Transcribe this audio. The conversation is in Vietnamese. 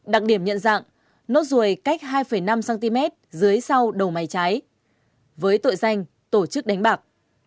đặc điểm nhận dạng nốt ruồi cách hai năm cm dưới sau đầu máy trái với tội danh tổ chức đánh bạc